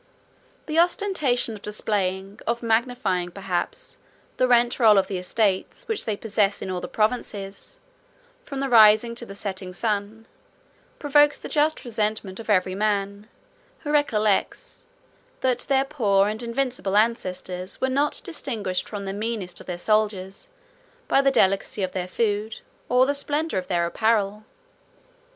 The ostentation of displaying, of magnifying, perhaps, the rent roll of the estates which they possess in all the provinces, from the rising to the setting sun, provokes the just resentment of every man, who recollects, that their poor and invincible ancestors were not distinguished from the meanest of the soldiers, by the delicacy of their food, or the splendor of their apparel.